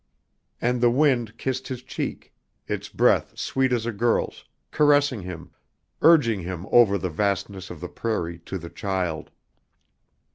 And the wind kissed his cheek, its breath sweet as a girl's, caressing him, urging him over the vastness of the prairie to the child.